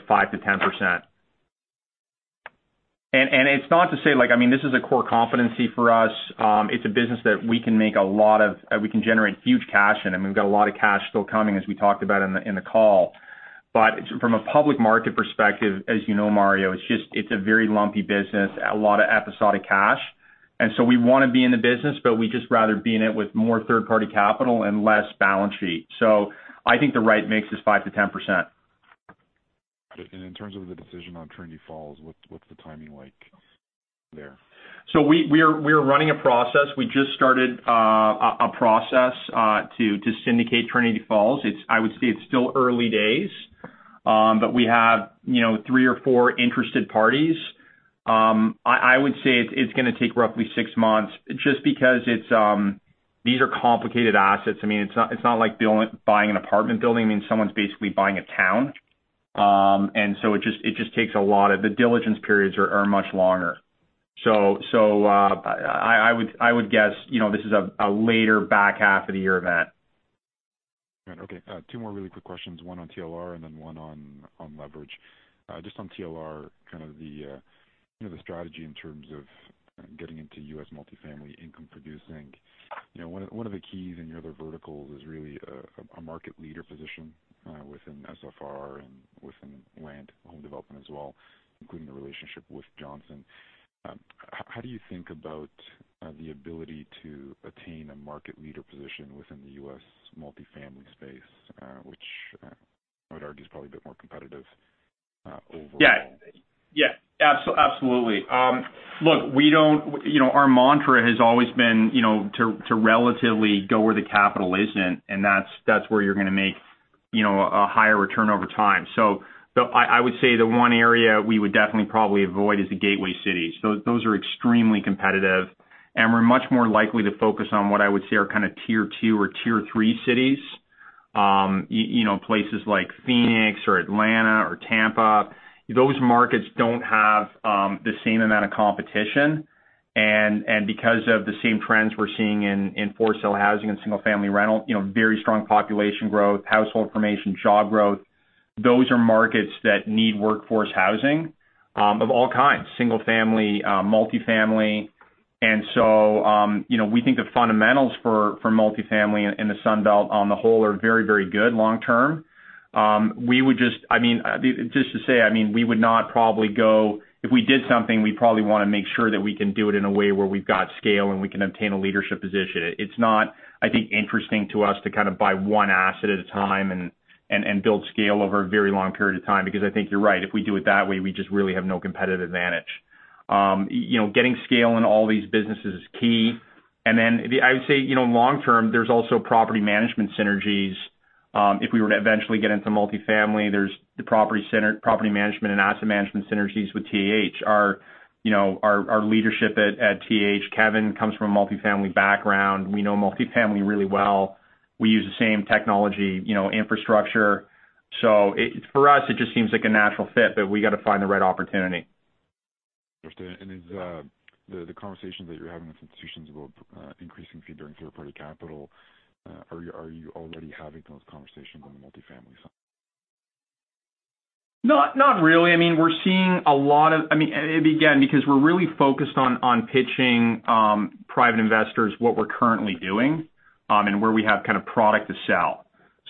5%-10%. It's not to say this is a core competency for us. It's a business that we can generate huge cash in, and we've got a lot of cash still coming, as we talked about in the call. From a public market perspective, as you know, Mario, it's a very lumpy business, a lot of episodic cash. We want to be in the business, but we'd just rather be in it with more third-party capital and less balance sheet. I think the right mix is 5%-10%. Got it. In terms of the decision on Trinity Falls, what's the timing like there? We are running a process. We just started a process to syndicate Trinity Falls. I would say it's still early days. We have three or four interested parties. I would say it's going to take roughly six months just because these are complicated assets. It's not like buying an apartment building. Someone's basically buying a town. It just takes a lot. The diligence periods are much longer. I would guess this is a later back half of the year event. Right. Okay. Two more really quick questions, one on TLR and then one on leverage. Just on TLR, the strategy in terms of getting into U.S. multifamily income producing. One of the keys in your other verticals is really a market leader position within SFR and within land, home development as well, including the relationship with Johnson. How do you think about the ability to attain a market leader position within the U.S. multifamily space? Which I would argue is probably a bit more competitive overall. Yeah. Absolutely. Look, our mantra has always been to relatively go where the capital isn't, and that's where you're going to make a higher return over time. I would say the one area we would definitely probably avoid is the gateway cities. Those are extremely competitive, and we're much more likely to focus on what I would say are tier 2 or tier 3 cities. Places like Phoenix or Atlanta or Tampa. Those markets don't have the same amount of competition. Because of the same trends we're seeing in for-sale housing and single-family rental, very strong population growth, household formation, job growth. Those are markets that need workforce housing of all kinds, single-family, multifamily. We think the fundamentals for multifamily in the Sun Belt on the whole are very good long term. Just to say, we would not probably go. If we did something, we'd probably want to make sure that we can do it in a way where we've got scale and we can obtain a leadership position. It's not, I think, interesting to us to buy one asset at a time and build scale over a very long period of time, because I think you're right. If we do it that way, we just really have no competitive advantage. Getting scale in all these businesses is key. I would say, long term, there's also property management synergies if we were to eventually get into multifamily. There's the property management and asset management synergies with TAH. Our leadership at TAH, Kevin, comes from a multifamily background. We know multifamily really well. We use the same technology infrastructure. For us, it just seems like a natural fit, but we've got to find the right opportunity. Understood. The conversations that you're having with institutions about increasing fee during third-party capital, are you already having those conversations on the multifamily side? Not really. Again, because we're really focused on pitching private investors what we're currently doing, and where we have product to sell.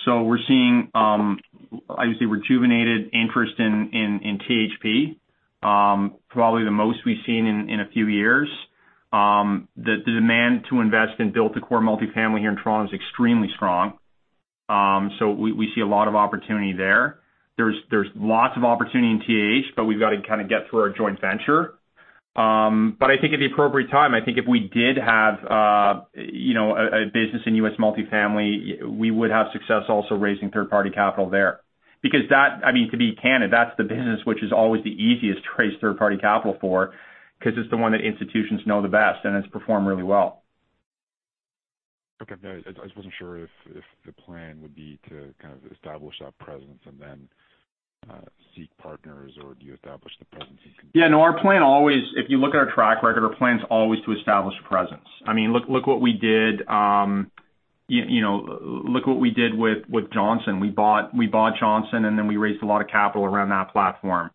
We're seeing rejuvenated interest in THP. Probably the most we've seen in a few years. The demand to invest in built to core multifamily here in Toronto is extremely strong. We see a lot of opportunity there. There's lots of opportunity in TAH, but we've got to get through our joint venture. I think at the appropriate time, I think if we did have a business in U.S. multifamily, we would have success also raising third-party capital there. To be candid, that's the business which is always the easiest to raise third-party capital for, because it's the one that institutions know the best, and it's performed really well. Okay. I just wasn't sure if the plan would be to establish that presence and then seek partners or do you establish the presence and compete Yeah, no. If you look at our track record, our plan is always to establish presence. Look what we did with Johnson. We bought Johnson, and then we raised a lot of capital around that platform.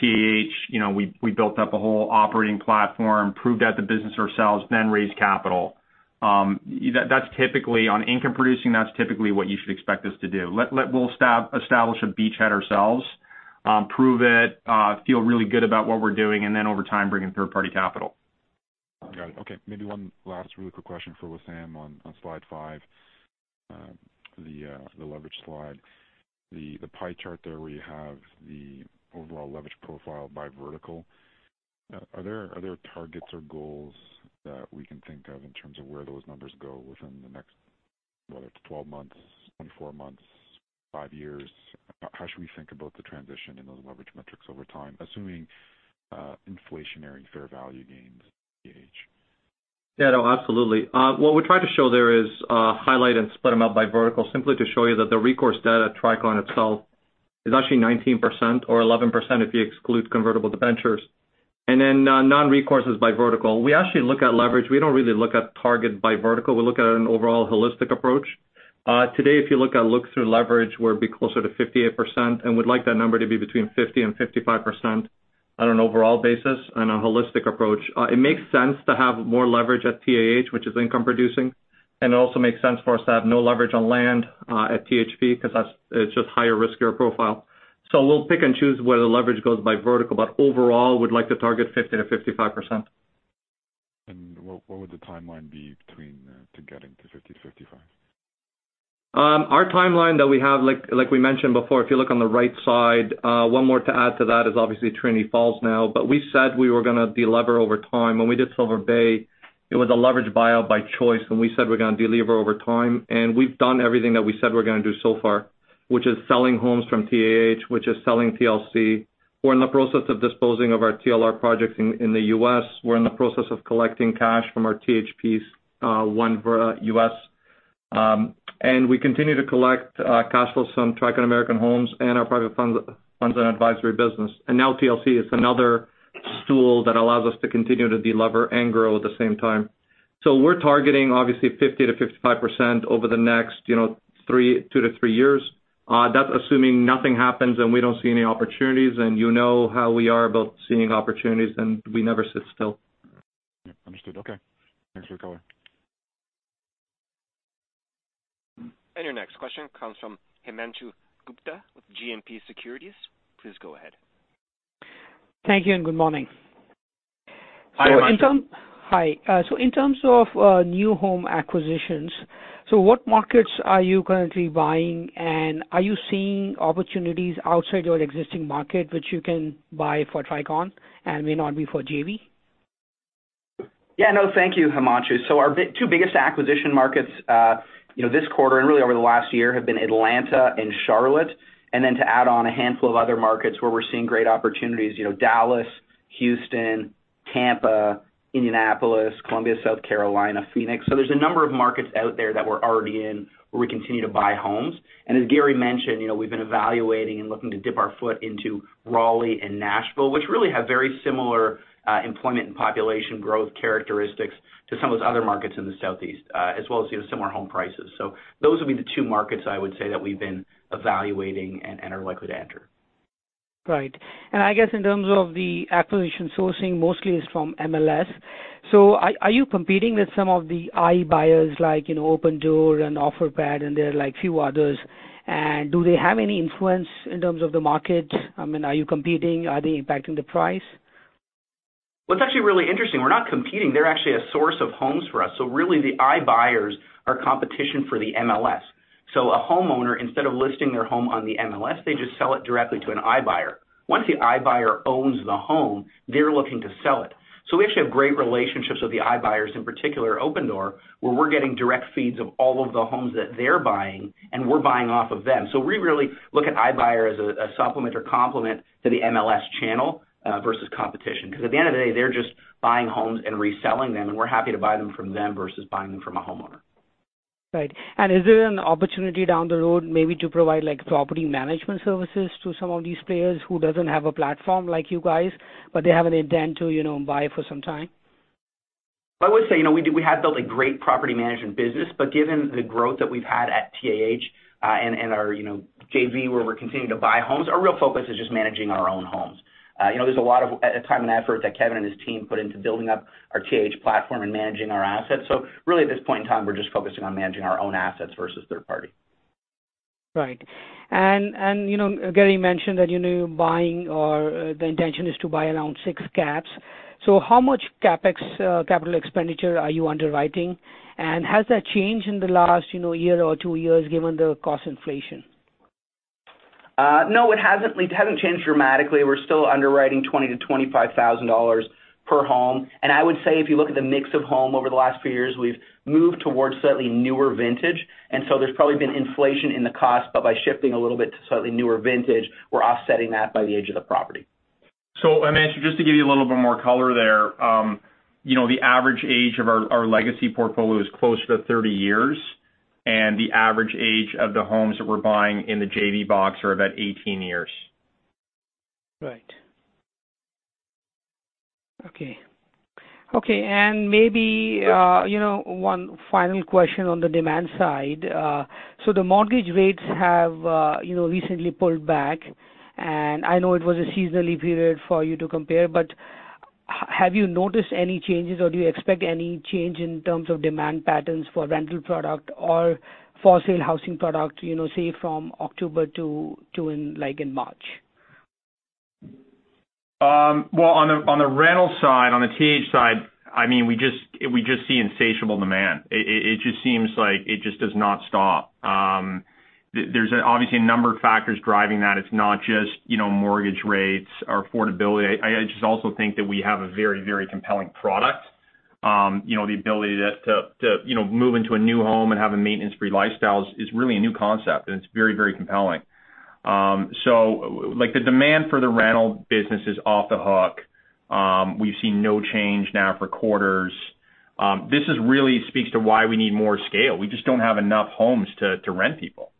TAH, we built up a whole operating platform, proved out the business ourselves, then raised capital. On income producing, that's typically what you should expect us to do. We'll establish a beachhead ourselves, prove it, feel really good about what we're doing, and then over time, bring in third-party capital. Got it. Okay. Maybe one last really quick question for Wissam on slide five, the leverage slide. The pie chart there where you have the overall leverage profile by vertical. Are there targets or goals that we can think of in terms of where those numbers go within the next, whether it's 12 months, 24 months, five years? How should we think about the transition in those leverage metrics over time, assuming inflationary fair value gains at TAH? Yeah, no, absolutely. What we try to show there is highlight and split them up by vertical simply to show you that the recourse debt at Tricon itself is actually 19%, or 11% if you exclude convertible debentures. Non-recourse is by vertical. We actually look at leverage. We don't really look at target by vertical. We look at an overall holistic approach. Today, if you look through leverage, we'll be closer to 58%, and we'd like that number to be between 50% and 55% on an overall basis on a holistic approach. It makes sense to have more leverage at TAH, which is income producing, and it also makes sense for us to have no leverage on land at THP because it's just higher riskier profile. We'll pick and choose where the leverage goes by vertical, but overall, we'd like to target 50% to 55%. What would the timeline be between getting to 50%-55%? Our timeline that we have, like we mentioned before, if you look on the right side, one more to add to that is obviously Trinity Falls now. We said we were going to de-lever over time. When we did Silver Bay, it was a leverage buyout by choice. We said we're going to de-lever over time. We've done everything that we said we're going to do so far, which is selling homes from TAH, which is selling TLC We're in the process of disposing of our TLR projects in the U.S. We're in the process of collecting cash from our THPs, one for U.S. We continue to collect cash flows from Tricon American Homes and our private funds and advisory business. Now TLC is another stool that allows us to continue to delever and grow at the same time. We're targeting obviously 50%-55% over the next 2-3 years. That's assuming nothing happens, we don't see any opportunities, you know how we are about seeing opportunities, we never sit still. Understood. Okay. Thanks for your color. Your next question comes from Himanshu Gupta with GMP Securities. Please go ahead. Thank you, and good morning. Hi, Himanshu. Hi. In terms of new home acquisitions, what markets are you currently buying, and are you seeing opportunities outside your existing market, which you can buy for Tricon and may not be for JV? Yeah. No, thank you, Himanshu. Our two biggest acquisition markets this quarter, and really over the last year, have been Atlanta and Charlotte. Then to add on a handful of other markets where we're seeing great opportunities, Dallas, Houston, Tampa, Indianapolis, Columbia, South Carolina, Phoenix. There's a number of markets out there that we're already in where we continue to buy homes. As Gary mentioned, we've been evaluating and looking to dip our foot into Raleigh and Nashville, which really have very similar employment and population growth characteristics to some of those other markets in the Southeast, as well as similar home prices. Those would be the two markets I would say that we've been evaluating and are likely to enter. Right. I guess in terms of the acquisition sourcing, mostly is from MLS. Are you competing with some of the iBuyer like Opendoor and Offerpad and there are few others. Do they have any influence in terms of the market? Are you competing? Are they impacting the price? Well, it's actually really interesting. We're not competing. They're actually a source of homes for us. Really, the iBuyer are competition for the MLS. A homeowner, instead of listing their home on the MLS, they just sell it directly to an iBuyer. Once the iBuyer owns the home, they're looking to sell it. We actually have great relationships with the iBuyer, in particular, Opendoor, where we're getting direct feeds of all of the homes that they're buying, and we're buying off of them. We really look at iBuyer as a supplement or complement to the MLS channel versus competition. Because at the end of the day, they're just buying homes and reselling them, and we're happy to buy them from them versus buying them from a homeowner. Right. Is there an opportunity down the road maybe to provide property management services to some of these players who doesn't have a platform like you guys, but they have an intent to buy for some time? I would say, we have built a great property management business, but given the growth that we've had at TAH and our JV where we're continuing to buy homes, our real focus is just managing our own homes. There's a lot of time and effort that Kevin and his team put into building up our TAH platform and managing our assets. Really, at this point in time, we're just focusing on managing our own assets versus third party. Right. Gary mentioned that buying or the intention is to buy around 6 CAPs. How much CapEx, capital expenditure are you underwriting? Has that changed in the last year or 2 years, given the cost inflation? No, it hasn't. It hasn't changed dramatically. We're still underwriting 20,000-25,000 dollars per home. I would say if you look at the mix of home over the last few years, we've moved towards slightly newer vintage, there's probably been inflation in the cost, by shifting a little bit to slightly newer vintage, we're offsetting that by the age of the property. Himanshu, just to give you a little bit more color there. The average age of our legacy portfolio is close to 30 years, the average age of the homes that we're buying in the JV box are about 18 years. Right. Okay. Maybe, one final question on the demand side. The mortgage rates have recently pulled back, I know it was a seasonally period for you to compare, have you noticed any changes or do you expect any change in terms of demand patterns for rental product or for sale housing product, say from October to March? Well, on the rental side, on the TAH side, we just see insatiable demand. It just seems like it just does not stop. There's obviously a number of factors driving that. It's not just mortgage rates or affordability. I just also think that we have a very compelling product. The ability to move into a new home and have a maintenance-free lifestyle is really a new concept, and it's very compelling. The demand for the rental business is off the hook. We've seen no change now for quarters. This really speaks to why we need more scale. We just don't have enough homes to rent people.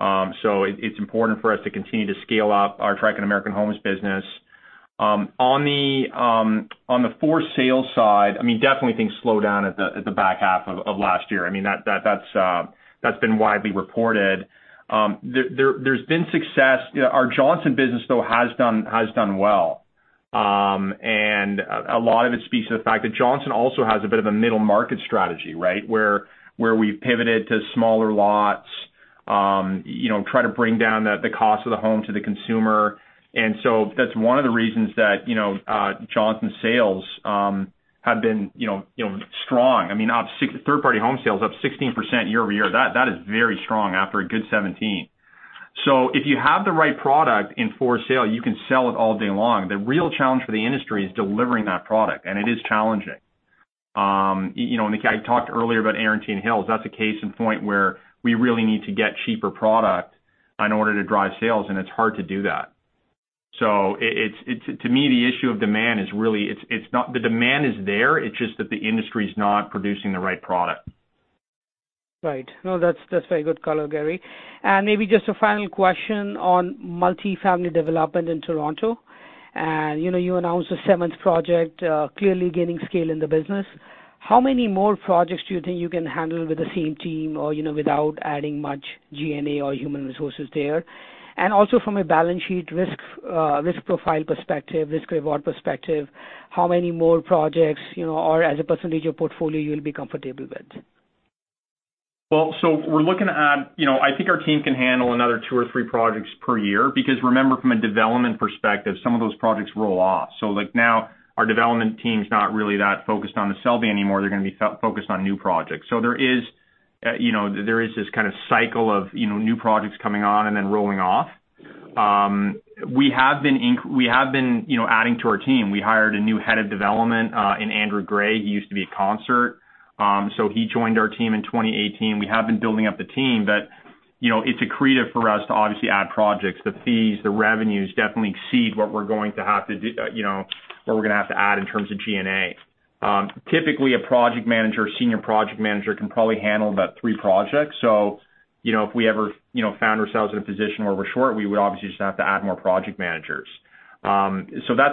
It's important for us to continue to scale up our Tricon American Homes business. On the for sale side, definitely things slowed down at the back half of last year. That's been widely reported. There's been success. Our Johnson business, though, has done well. A lot of it speaks to the fact that Johnson also has a bit of a middle market strategy, where we've pivoted to smaller lots, try to bring down the cost of the home to the consumer. That's one of the reasons that Johnson sales have been strong. Third-party home sales up 16% year-over-year. That is very strong after a good 2017. If you have the right product in for sale, you can sell it all day long. The real challenge for the industry is delivering that product, and it is challenging. I talked earlier about Arantine Hills. That's a case in point where we really need to get cheaper product in order to drive sales, and it's hard to do that. To me, the issue of demand is really, the demand is there, it's just that the industry's not producing the right product. Right. No, that's very good call, Gary. Maybe just a final question on multifamily development in Toronto. You announced the seventh project, clearly gaining scale in the business. How many more projects do you think you can handle with the same team or without adding much G&A or human resources there? Also from a balance sheet risk profile perspective, risk/reward perspective, how many more projects, or as a percentage of portfolio, you'll be comfortable with? I think our team can handle another two or three projects per year, because remember from a development perspective, some of those projects roll off. Now our development team's not really that focused on The Selby anymore. They're going to be focused on new projects. There is this kind of cycle of new projects coming on and then rolling off. We have been adding to our team. We hired a new Head of Development in Andrew Gray, he used to be at Concert. He joined our team in 2018. We have been building up the team, but it's accretive for us to obviously add projects. The fees, the revenues definitely exceed what we're going to have to add in terms of G&A. Typically, a project manager, senior project manager can probably handle about three projects. If we ever found ourselves in a position where we're short, we would obviously just have to add more project managers. That's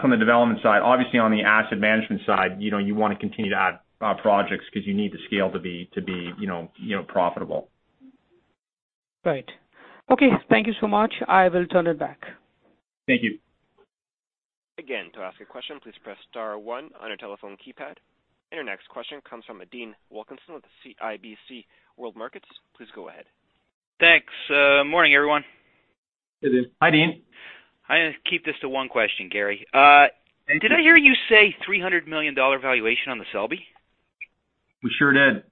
on the development side. Obviously on the asset management side, you want to continue to add projects because you need the scale to be profitable. Right. Okay. Thank you so much. I will turn it back. Thank you. To ask a question, please press star one on your telephone keypad. Your next question comes from Dean Wilkinson with CIBC World Markets. Please go ahead. Thanks. Morning, everyone. Hi, Dean. I'm going to keep this to one question, Gary. Thank you. Did I hear you say $300 million valuation on The Selby? We sure did.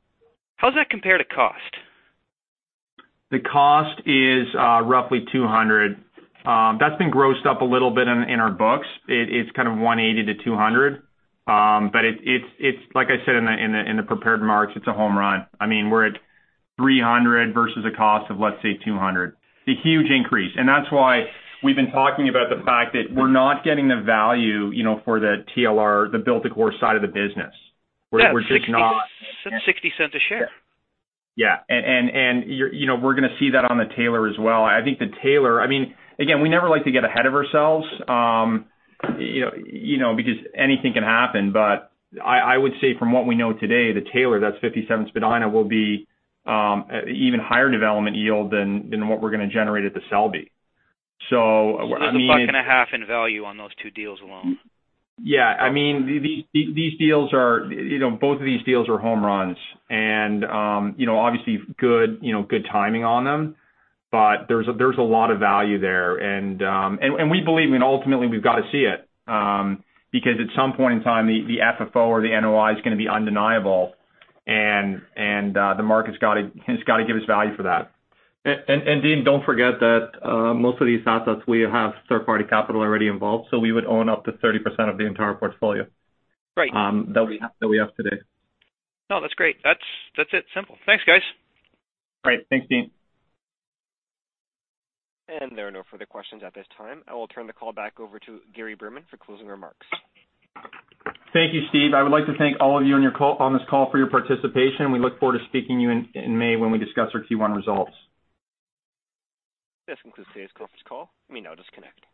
How does that compare to cost? The cost is roughly $200. That's been grossed up a little bit in our books. It is kind of $180-$200. Like I said, in the prepared remarks, it's a home run. We're at $300 versus a cost of, let's say, $200. It's a huge increase. That's why we've been talking about the fact that we're not getting the value for the TLR, the build-to-core side of the business. Yeah, $0.60 a share. Yeah. We're going to see that on The Taylor as well. I think The Taylor, again, we never like to get ahead of ourselves, because anything can happen. I would say from what we know today, The Taylor, that's 57 Spadina, will be even higher development yield than what we're going to generate at The Selby. There's $1.50 in value on those two deals alone. Yeah. Both of these deals are home runs and obviously, good timing on them. There's a lot of value there and we believe, and ultimately we've got to see it. At some point in time, the FFO or the NOI is going to be undeniable and the market's got to give us value for that. Dean, don't forget that most of these assets we have third-party capital already involved. We would own up to 30% of the entire portfolio- Right that we have today. That's great. That's it. Simple. Thanks, guys. Great. Thanks, Dean. There are no further questions at this time. I will turn the call back over to Gary Berman for closing remarks. Thank you, Steve. I would like to thank all of you on this call for your participation. We look forward to speaking to you in May when we discuss our Q1 results. This concludes today's conference call. You may now disconnect.